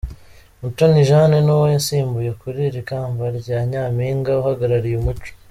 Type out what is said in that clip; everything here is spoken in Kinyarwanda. Mutoni Jane nuwo yasimbuye kuri iri kamba rya Nyampinga uhagarariye umuco.